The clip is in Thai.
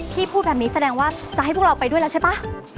พูดแบบนี้แสดงว่าจะให้พวกเราไปด้วยแล้วใช่ป่ะ